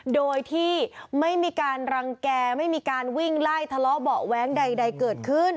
โดยที่ไม่มีการรังแก่ไม่มีการวิ่งไล่ทะเลาะเบาะแว้งใดเกิดขึ้น